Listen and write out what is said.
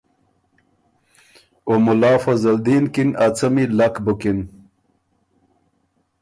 او ملا فضل دین کی ن ا څمی لک بُکِن۔